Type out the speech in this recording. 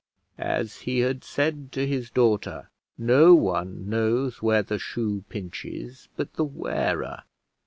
As he had said to his daughter, no one knows where the shoe pinches but the wearer.